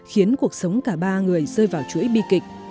khiến cuộc sống cả ba người rơi vào chuỗi bi kịch